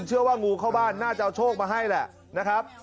เชื่อว่างูเข้าบ้านน่าจะเอาโชคมาให้แหละนะครับ